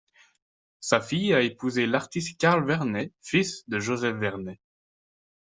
Sa fille a épousé l’artiste Carle Vernet, fils de Joseph Vernet.